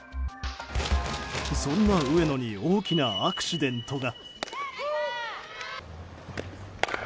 そんな上野に大きなアクシデントが。